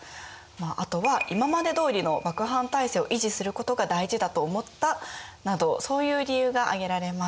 あとは今までどおりの幕藩体制を維持することが大事だと思ったなどそういう理由が挙げられます。